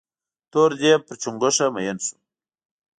تور ديب پر چونگوښه مين سو.